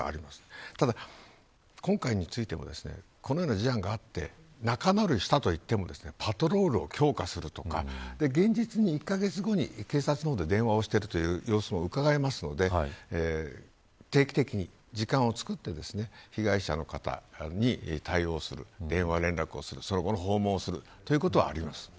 ただ、今回についてはこのような事案があって仲直りをしたといってもパトロールを強化するとか現実に、１カ月後に警察の方に電話をしているという様子も伺えますので定期的に、時間をつくって被害者の方に対応する電話連絡をする、訪問をするということはあります。